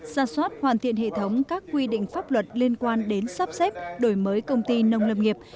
ra soát hoàn thiện hệ thống các quy định pháp luật liên quan đến sắp xếp đổi mới công ty nông lâm nghiệp